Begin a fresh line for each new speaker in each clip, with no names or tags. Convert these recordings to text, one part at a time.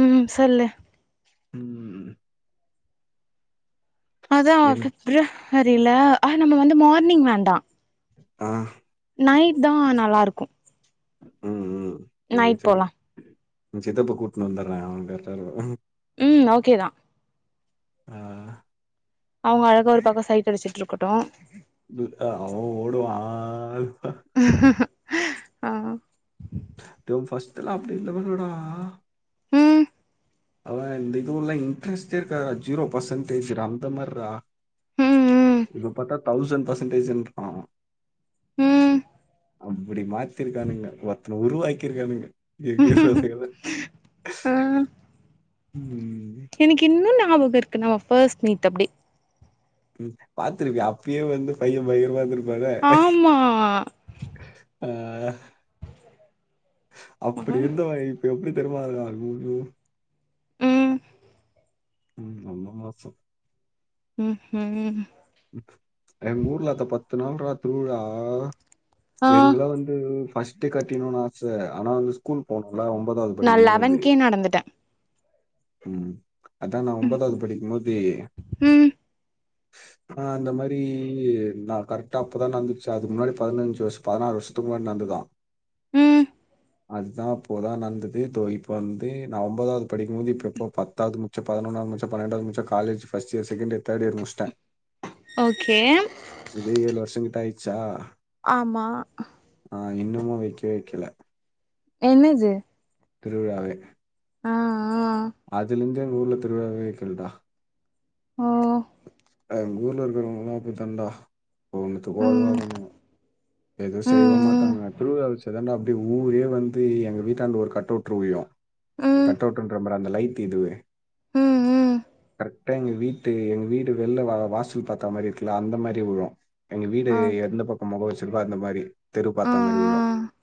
ம் சொல்லு
ம்.
அதான்
எனக்கு
[unintelligible] அ நம்ம வந்து மார்னிங் வேண்டாம்
ஆ
நைட் தான் நல்லாருக்கும்
செரி செரி
போலா
சித்தப்பு கூட்னுவந்தற அவங் கரெட்டா இருப்பா
ம் ஓகே தான்
ஆ
அவங்க அழகா ஒரு பக்கம் சைட் அடிச்சிட்டுருக்கட்டும்
[unintelligible] அவன் ஓடுவான் ஆ இப்ப
[inaudible] ஆ
ஃபஸ்ட்லாம் அப்புடி [unintelligible] டா
ம்
அவன் இந்த இது உள்ள இன்ட்ரெஸ்ட் இருக்க ஜீரோ பர்சன்டேஜ் அந்த மாரா
ம்
இப்ப பாத்தா தௌசண்ட் பர்சன்டேஜின்ரா
ம்
அப்படி மாத்திருக்கானுங்க ஒருத்தன உருவாக்கிருக்கானுங்க
ம் ஆ
[unintelligible] உம்
எனக்கு இன்னு ஞாபகோ இருக்கு நம்ம ஃபஸ்ட் மீட் அப்டி
ம் பாத்துருப்பியே அப்பயே வந்து பையன் பயங்கரமா இருந்துருப்பாரே
ஆமா
ஆ அப்டி இருந்தவ இப் ப எப்டி தெர்மா இருக்கா ஐயோயோ
ம்
ம் ரொம்ப மோசோ
ம் ஹூம்
எங் ஊர்ல அத பத்து நாள் ராத் திருவுழா
ஆ
எங்குல வந்து ஃபஸ்ட் கட்டினு ஆச ஆனா வந்து ஸ்கூல் போனுல ஒம்பதாது
நா
படிக்கு போது அது
லெவன்கே நடந்துட்டே
ம் அதா நா ஒம்பதாது படிக்கும்போது
ம்
ஆ அந்தமரி நா கரட்டா அப்பதா நடந்துச்சி அது முன்னாடி பதினஞ்சு வர் பதினாறு வர்ஷத்துக்கு முன்னாடி நந்துதா
ம்
அதுதா அப்போதா நந்தது தோ இப்ப வந்து நா ஒம்பதாது படிக்கும்போது இப்ப எப்ப பத்தாது முச்சே பதினொன்னா முச்சே பன்னண்டாது முச்சே college first year second year third year முச்சிட்டே
ஓகே
இதே ஏழு வர்ஷங்கிட்ட ஆயிர்ச்சா
ஆமா
ஆ இன்னுமு வைக்கே வைக்கல
என்னது
திருவிழாவே
ஆ ஆ
அதுலேந்தே எங் ஊர்ல திருவிழாவே வைக்கல டா
ஓ
எங் ஊர்ல இர்க்குறவங்லா அப்டி தாண்டா ஒன்னுத்துக்கு
ம்
ஒதவாதவனுக எது
ம்
செயவு மாட்டாங்க திருவிழா வெச்சாதாண்டா டே ஊரே வந்து எங்க வீட்டாண்ட வந்து ஒரு கட்டவுட்று விழு
ம்
கட்டவுட்டுன்ற பாரு அந்த லைட்டு இதுவு
ம் ம் ம்
கர்ட்டா எங்க வீட்டு எங்க வீட் டு வெள்ல வ வாசல் பாத்தா மாரி இருக்குல அந்த மாரி உழு எங்க வீடு
ஆ
எந்த பக் மொகோ வெச்சுருக்கோ அந்த மாரி தெரு
ஆ
பாத்தா மாரி விழு
ஆ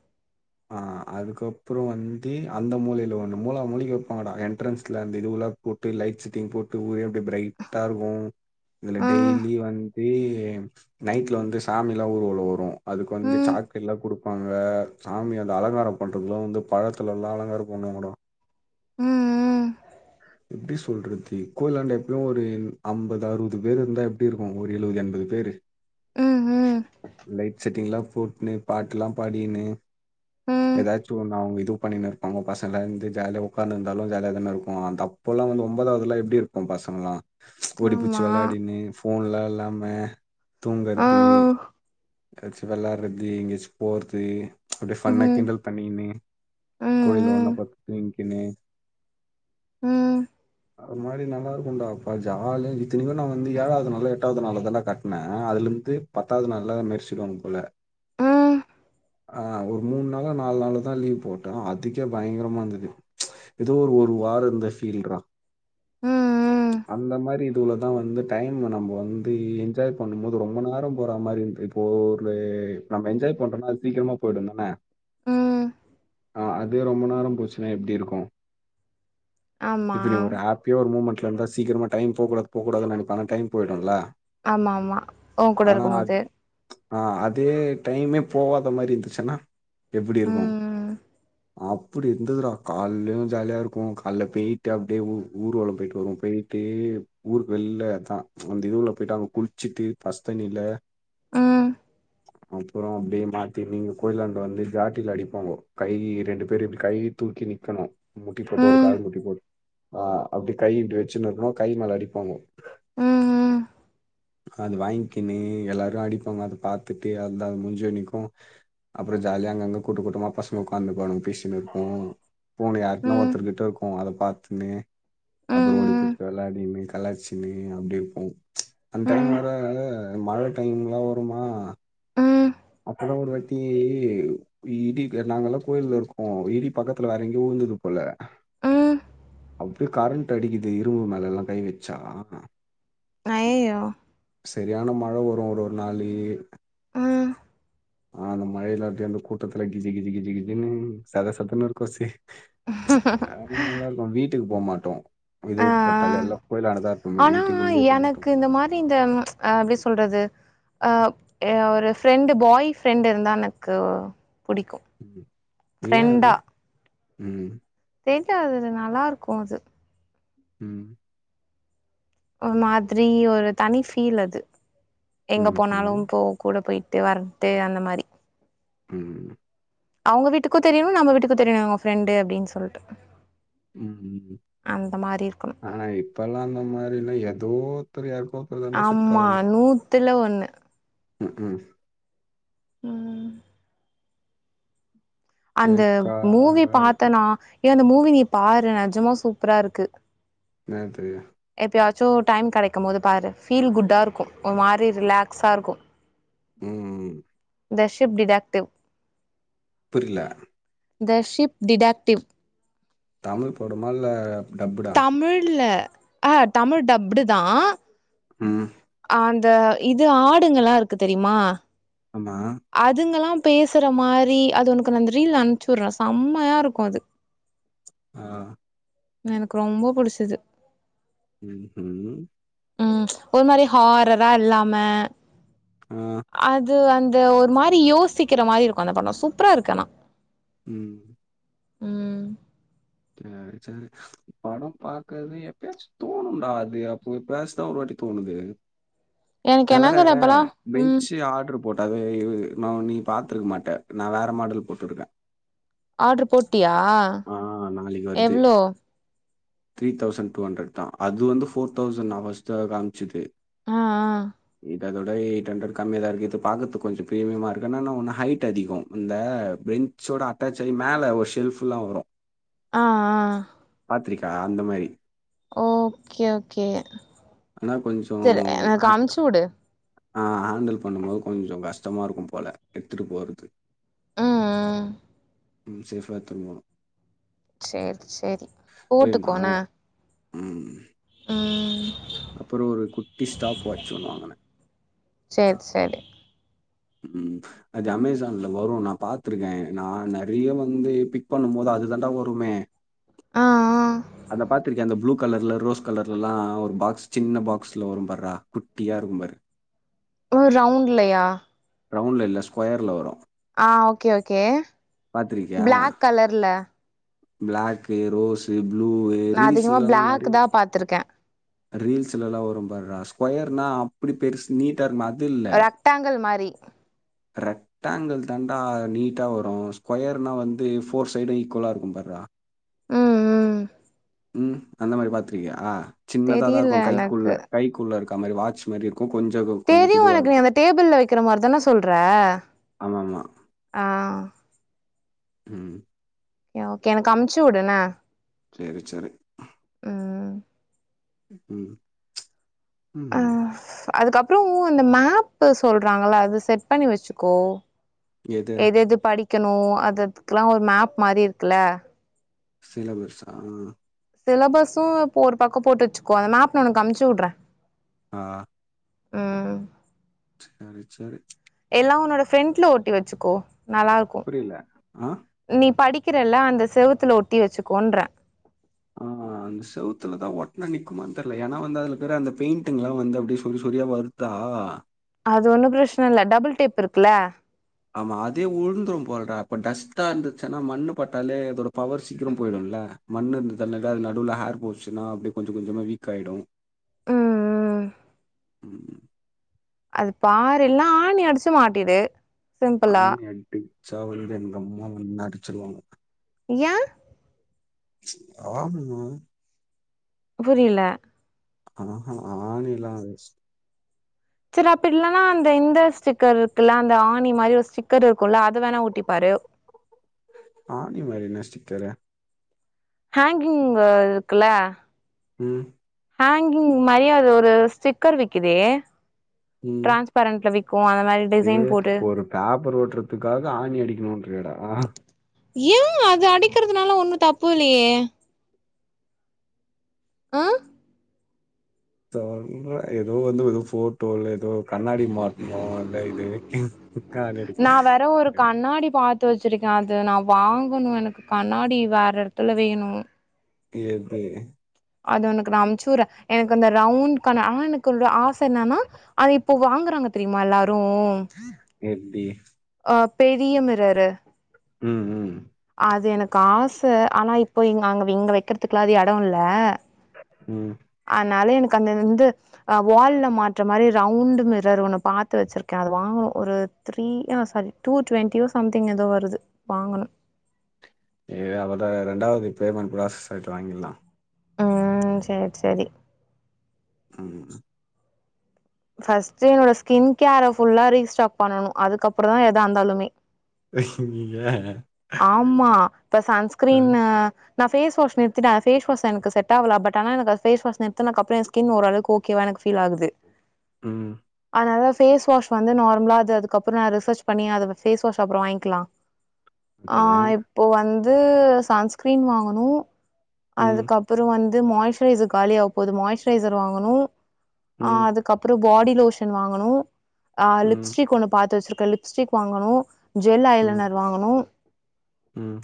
ஆ அதுக்கப்றோ வந்து அந்த மூலைல ஒன்னு மூலா மூலிக்கு வெப்பாங்கடா என்ட்டரன்ஸ்ல அந்த இது உல போட்டு லைட்ஸ் தீம் போட்டு ஊரே அப்டே பிரைட்டா இருக்கு இதுல
ஆ
டெய்லி வந்து நைட்ல வந்து சாமிலா ஊருவலோ வரு அதுக்கு வந்து
ம்
சாக்லேட்லா குடுப்பாங்க ங்க சாமி அத அலங்காரம் பண்றதுலா வந்து பழத்துலலா அலங்காரோ பண்ணுவாங்கட
ம் ம்
எப்டி சொல்றது கோயிலாண்ட எப்பயு ஒரு அம்பது அறுவது பேர் இருந்தா எப் எப்டி இருக்கு ஒரு எழுவது எண்பது பேரு
ம் ம் ம்
லைட் செட்டிங்லா போட்னு பாட்லா பாடி கின்னு
ம்
எதாச்சு ஒன்னு நா வுங்க இது பண்ணி கினு இருப்பாங்க பசங்க வந்து ஜாலியா ஒக்காந்துந்தாலு ஜாலியா தான இருக்கு கு தப்போலா வந்து ஒம்பதாது எல்லா எப்டி இருப்போ பசங்கலா ஓடி பூச்சி
ஆமா
வெளயாடின்னு ஃபோன்லா இல்லாம தூங்கர்து
[inaudible]
எதாச்சு வெள்ளார்றது எங்காச்சு போறது அப்டே
ம்
ஃபன்னா
ம்
கிண்டல் பண்ணிகினு
ம்
கோயில்ல
ம்
ஒன்னா பத்து தூங்கி கின்னு
ம்
அது மாரி நல்லாருக்குன்டா ப்பா ஜாலியா இத்தனிக்கு நா வந்து ஏழாது நாளோ எட்டாது நாளோ தாண்டா கட்னே அதுலருந்து பத்தாது நாள்ல அத மேர்சுடுவாங் போல
ம்
ஆ ஒரு மூணு நாள நாலு நாளோ தா லீவ் போட்டே அதுக்கே பயங்கரமா இருந்துது ஏதோ ஒரு வாரோ இருந்த ஃபீல்றா
ம்
அந்த மாரி இதுவுலதா வந்து டைம் நம்ம வந்து என்ஜாய் பண்ணும் போது ரொம்ப நேரோ போற மாரி இருந்தது போர்லே இப்ப நம்ம என்ஜாய் பண்றோனா அது சீக்கிரமா போயிடு தான
ம்
அது ரொம்ப நேரோ போச்சுனா எப்டி இருக்கு
ஆமா
இப்டி ஒரு ஆப் பியூர் மூமெண்ட்ல இருந்தா சீக்கிரமா டைம் போக்கூடாது போக்கூடாது நெனப்பே ஆனா டைம் போயிடுல
ஆமா ஆமா ஒ கூட இருக்கு போது
ஆஹ் அதே டைமே போவாத மாரி இருந்துச்சுனா எப்டி இருக்கு
ம்
அப்புடி இருந்துதுடா கால்லயு ஜாலியா இருக்கு கால்ல பேயிட்டு அப்டியே ஊ ஊர்வலம் போயிட்டு வருவோ பேயி தே ஊருக்கு வெள்ள அதா அந்த இதுல போயிட்டு அங்க குளிச்சுட்டு பஸ்த்தண்ணீல
ம்
அப்புறோ அப்டியே மாத்தி நீங்க கோயிலாண்ட வந்து ஜாட்டில அடிப்பாங்கோ கை ரெண்டு பேரு இப்டி கை தூக்கி நிக்கணு முட்டி
ம்
போட்டு ஒரு
ம்
கால் முட்டி போட்டு ஆ அப்டி கை இப்டி வெச்சுனு இருக்கனு கை மேல அடிப்பாங்க
ம்
அது வாங்கிக்கினு எல்லார் ரு அடிப்பாங்க அத பாத்துட்டு அந்தாள் முஞ்சநிக்கு அப்றோ ஜாலியா அங்கங்கே கூட்டு கூட்டமா பசங்க உட்காந்துகுணுவாங்க பேசினு இருப்போ ஃபோனு
ம்
யாருட்னா
ம்
ஒருத்தருக்கிட்ட இருக்கு அத பாத்துனு அப்புறோ
ம்
ஓடிபுச் வெளாடினு கலாச்சின்னு அப்டி இருப்போ அந்த டைம் வேற மழ டைம்லா வருமா
ம்
அப்பதா ஒரு வாத்தி இடி நாங்க எல்லா கோயில்ல இருக்கோ இடி பக்கத்துல வேற எங்கயயோ உழுந்தது போல
ம்
அப்டியே கரண்ட் அடிக்கிது இரும்பு மேலல்லா கை வச்சா
அய்யய்யோ
சரியான மழ வரு ஒரு ஒரு நாளு
ம்
ஆஹ் அந்த மழ இல்லாடி அந்த கூட்டத்தில கிஜி கிஜி கிஜி கிஜினு சத சத இருக்கு சே
ஹ்ம்ம் ஹ்ம்ம் ஹ
அதும் நல்லா இருக்கும் வீட்டுக்கு போமாட்டோ
ஆ
இதுவு போட்டாலே எல்லா கோயிலாண்ட தா இருக்
ஆனா எனக்கு இந்த மாரி இந்த அஹ் எப்டி சொல்றது அப் அ ஒரு ஃப்ரெண்டு பாய் ஃப்ரெண்டு இருந்தா எனக்கு பிடிக்கு
ம் ஏன் அது உம்
தெர்ல அதுது நல்லா இருக்கு அது
ம்
ஒரு மாதிரி ஒரு தனி ஃபீல் அது எங்க
ம்ஹும்
போனாலு போ கூட போயிட்டு வர்றது அந்த மாரி
ம்
அவுங்க வீட்டுக்கு தெரியனு நம்ம வீட்டுக்கு தெரியனு இவுங்க ஃப்ரெண்டு அப்டினு சொல்ட்டு
ம்
அந்த மாரி இருக்கணு
இப்பலா அந்த மாதிரினா எதோ தெரியாது போ
ஆமா நூத்துல ஒண்ணு
ம் ஹும்
உம் அந்த
ஃபேக்கா
மூவி
நல்லா இருக்கு
பாத்தனா ஏ அந்த மூவி நீ பாரு நெஜமா சூப்பரா இருக்கு
என்னது
எப்பயாச்சு டைம் கெடைக்கு போது பாரு ஃபீல் குட்டா இருக்கு ஒரு மாரி ரிலாக்ஸா இருக்கு
ம்
ந்த ஷிப் டீடக்டிவ்
புரில
ந்த ஷிப் டிடாக்டிவ்
தமிழ் படமா இல்ல டப்புடா
தமிழ்ல ஆஹ் தமிழ் டப்புடுதா
ம்
அந்த இது ஆடுங்கல்லா இருக்கு தெரியுமா
ஆமா
அதுங்கல்லா பேசுற மாரி அது உனக்கு நா அந்த ரீல் அம்ச்சுற்ற சம்மையா இருக்கு அது
ஆ
எனக்கு ரொம்ப புடிச்சிது
ம் ம்
ம் ஒரு மாரி ஹாரரா இல்லாம
ஆ
அது வந் து ஒரு மாரி யோசிக்கிற மாரி இருக்கு அந்த படோ சூப்பரா இருக்கானா
ம்
ம்
சேரி சேரி படம் பாக்கறது எப்பயாச்சு தோணுன்டா அது அப்போ எப்யாச்சுதா ஒரு வாட்டி தோணுது
எனக்கு
நா வேற
என்னன் தெர்ல இப்பல்லா ம்
பெஞ்சு ஆட்ரு போட்ட அது ந நீ பாத்துருக்க மாட்ட நா வேற மாடல் போட்டுருக்கே
ஆட்ரு போட்டியா
ஆ நாளிக்கு வருது
எவ்ளோ
த்ரீ தௌசண் டூ ஹண்ரட் தா அது வந்து ஃபோர் தௌசண் நான் ஃபஸ்ல காமிச்சிது
ஆ ஆ
இ அதோட எயிட் ஹண்ரட் கம்மியாதா இருக்குது இது பாக்கற்துக் கொஞ்சு ப்ரீமியமா இருக்கு ஆனா இன்னா ஒன்னு ஹைட் அதிகோ இந்த பெஞ் சோட அட்டாச்சாயி மேல ஒரு ஷெல்ஃபுல்லா வரு
ஆ ஆ
த்ரீகா அந்த மாரி
ஓகே ஓகே
ஆனா கொஞ்சோ
சரி எனக்கு
ஆக்ட்
அமுச்சு வுடு
ஆ ஹேண்டல் பண்ணும் போது கொஞ்சோங் கஷ்டமா இருக்கும் போல எட்த்துட்டு போறது
ம் ம்
சேஃபா எத்துன்போனு
சேரி சேரி
ஏ நா
போட்டுக்கோண்ண
ம்
ம்
அப்புறோ ஒரு குட்டி ஸ்டாப் வாச் ஒண்ணு வாங்குன
சேர் சேரி
ம் அது அமேசான்ல வரு நா பத்துருக்கே நா நெறிய வந்து பிக் பண்ணும் போது அது தாண்டா வருமே
ஆ ஆ
அத பாத்திருக்கியா அந்த ப்ளூ கலர்ல ரோஸ் கலர்லல்லா ஒரு பாக்ஸ் சின்ன பாக்ஸ்ல வரு பார்றா குட்டியா இருக்கு பாரு
ஓ ரவுண்ட்லயா
ரவுண்ட்ல இல்ல ஸ்கொயர்ல வரு
ஆ ஓகே ஓகே ப்ளாக் கலர்ல
ப்ளாக்கு ரோஸு ப்ளூவு
நா அதிகமா
ரீல்ஸ்லெல்லா நெறிய
பிளாக் தா
வரு
பாத்திருக்கே
ரீல்ஸ்லல்லா வரும் பார்றா ஸ்கொயர்னா அப்டி பெருசு நீட்டா இருக்மே அது இல்ல
ட்டாங்கள் மாரி
ரெ ட்டேங்கள் தாண்டா நீட்டா வரு ஸ்கொய்ர்னா வந்து ஃபோர் சைடு ஈக்வலா இருக்கும் பார்றா
ம் ம்
ம் அந்த மாரி பாத்ருக்கியா சின்னதாதா
தெரியல
இருக்கு கைக்குள்ள
எனக்கு
கைக்குள்ள இருக் அத் மாரி வாச் மாரி இருக்கு கொஞ்சு இதுவு
தெரியு எனக்கு நீ அந்த டேபிள்ள வெக்கிற மாரி தான சொல்ற
ஆமா ஆமா
ஆ
ம்
ஓகே எனக்கு அம்ச்சி உடுண்ண
செரி செரி
ம்
ம் ம்
அதுக்கப்றோ இந்த மேப்பு சொல்றாங்கள்ள அது செட் பண்ணி வெச்சிக்கோ
எது
எதெது படிக்கணு அத்ததுக்ல்லா ஒரு மேப் மாரி இருக்குல
சிலபர்ஸ்ஸா
சிலபஸ்ஸு இப்போ ஒரு பக்கோ போட்டு வச்சுக்கோ அந்த மேப் நா ஒனக்கு அம்ச்சுட்றே
ஆ
ம்
சேரி சேரி
எல்லா ஒன்னோட ஃப்ரெண்ட்ல ஒட்டி வச்சுக்கோ நல்லா இருக்கு
புரில ஆ
நீ படிக்கிறல்ல அந்த செவுத்துல ஒட்டி வச்சுக்கோன்ற
ஆமா அந்த செவுத்துலதா ஒட்னா நிக்குமான் தெர்ல ஏனா வந்து அதுலக்குற அந்த பெயிண்டிங்ல்லா வந்து அப்டே சொரி சொரியா வருத்தா
அது ஒன்னு பிரச்சன இல்ல டபுள் டேப் இருக்குல்ல
ஆமா அதே உழுந்துரும் போல்டா இப்போ டஸ்ட்டா இருந்துச்சுன்னா மண்ணு பட்டாலே அதோட பவர் சீக்கிரோ போயிடுல மண்ணு இருந்த [unintelligible] அது நடுவுல ஹேர் போச்சுன்னா அப்டே கொஞ்ச கொஞ்சமா வீக்காய்டு
ம் ம்
ம்,
அது பாரு இல்லனா ஆணி அடிச்சு மாட்டிடு சிம்பிளா
ஆணி அடிச்சாவந்து எங்கம்மா வந்து அடிச்சிருவாங்க
ஏ
ஆம்மா
புரில
ஆ ஹா ஆணில்லா
செரி அப்டி இல்லன்னா அந்த இந்த ஸ்டிக்கர்ருக்குல்ல அந்த ஆணி மாரி ஒரு ஸ்டிக்கர் இருக்குல அது வேணா ஒட்டி பாரு
ஆணி மாரி என்னா ஸ்டிக்கரு
ஹாங்கிங் வ இருக்குல்ல
ம்
ஹாங்கிங் மாரியே அது ஒரு ஸ்டிக்கர் விக்கிதே டிரான்ஸ்பரண்ட்ல வி க்கு அந்த மாரி
பே
டிசைன் போட்டு
ஒரு பேப்பர் ஒட்றதுக்காக ஆணி அடிக்கணுன்றியாடா
ஏ அது அடிக்கிறதுனால ஒன்னு தப்புல்லயே ஆ
தெர்ல எதோ வந்து எதோ ஃபோட்டோ இல்ல எதோ கண்ணாடி மாட்ணு இல்ல இது க்கா ஆணி அடி
முன்னாடி பா த்து வச்சிருக்கே அது நா வாங்கணு எனக்கு கண்ணாடி வேற எடத்துல வேணு
எப்டி
அது ஒனக்கு நா அம்ச்சுர்றே எனக்கு அந்த ரவுண்ட் கண் ஆனா எனக்கு ஒரு ஆச என்னன்னா அது இப்போ வாங்குறாங்க தெரிமா எல்லாரு
எப்டி
ஆ பெரிய மிரரு
ம் ம்
அது எனக்கு ஆச ஆனா இப்போ இங்க அங் இங்க வெக்கற்துக்லா அது எடோல்ல
ம்
ஆனால எனக்கு அந்த வந்து அ வால்ல மாட்ற மாரி ரவுண்ட்டு மிரர் ஒண்ணு பாத்து வச்சிருக்கே அது வாங்கணு ஒரு த்ரீ யா சாரி டூ டுவெண்ட்டியோ சம்திங் எதோ வருது வாங்கணு
ஏ அவ்ளதா எ ரெண்டாவது பேமெண்ட் ப்ராசஸ் ஆயிட்டு வாங்கிர்லா
ம் சேர் சேரி
ம்
ஃபஸ்ட்டு என்னோட ஸ்கின் கேர ஃபுல்லா ரீஸ்டாக் பண்ணனு அதுக்கப்றோ தா எதா இந்தாலுமே
அ
ஆமா இப்ப சன்ஸ்க்ரீனு நா பேஸ் வாஷ் நிறுத்திட பேஸ் வாஷ் எனக்கு செட் ஆவல பட் ஆனா எனக்கு பேஸ் வாஷ் நிறுத்துனக்கப்றோ எ ஸ்கின் ஓர்ளவுக்கு ஓக் கேயா எனக்கு பீல் ஆகுது
ம்
அதனால பேஸ் வாஷ் வந்து நார்மலா அது அதுக்கப்புறோ நா ரிசர்ச் பண்ணி அத பேஸ் வாஷ் அப்றோ வாங்கிக்லா
[inaudible]
ஆ இப்போ வந்து சன்ஸ்கிரீன் வாங்கணு
ம்
அதுக்கப் அப்புறோ வந்து மாய்சுரைசர் காலியாக போது மாய்சரைசர் வாங்கணு ஆ
ம்
அதுக் கப்புறோ பாடி லோஷன் வாங்கணு ஆ
ம்
லிப்ஸ்டிக் ஒண்ணு பாத்து வச்சிருக்க லிப்ஸ்டிக் வாங்கணு ஜெல் ஐ
ம்
லைனர் வாங்கணு
ம்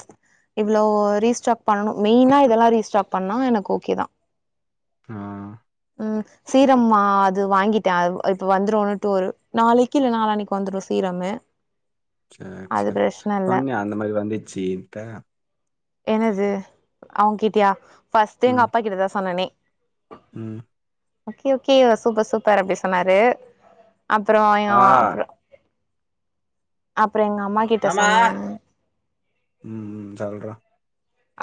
இவ்ளோ ரீஸ்டாக் பண்ணனு மெய்னா இதெல்லா ரீஸ்டார்க் பண்ணா எனக்கு ஓகே தா
ம்
ம் சீரம்மா அது வாங்கிட்ட இப்ப வந்துருன்ட்டு ஒரு நாளைக்கி இல்ல நாலானிக்கி வந்துடு சீரமு
சேர்
அது
சேர்
பிரச்சன இல்ல
பொன்னியா அந்த மாரி வந்துச்சு [unintelligible]
என்னது அவ கிட்டியா ஃபஸ்ட்டு எங்க
ம்
அப்பா கிட்டதா சொன்னனே
ம்
ஓகே ஓகே சூப்பர் சூப்பர் அப்டி சொன்னாரு அப்றோ அ
ஆ
அப்றோ அப்றோ எங்க அம்மா கிட்
ம் ம் சொல்ற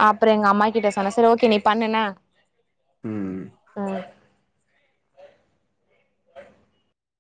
அப்றோ எங்க அம்மா கிட்ட சொன்ன சரி ஓகே நீ பண்ணு என்ன
ம்